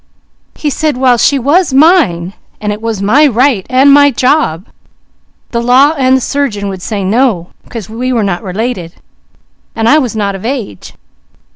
He said while she was mine, and it was my right, and my job, the law and the surgeon would say no, 'cause we were not related, and I was not of age.